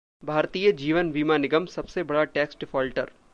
भारतीय जीवन बीमा निगम सबसे बड़ा टैक्स डिफॉल्टर!